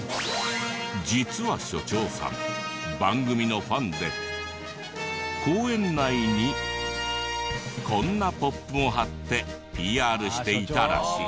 実は所長さん番組のファンで公園内にこんなＰＯＰを貼ってＰＲしていたらしい。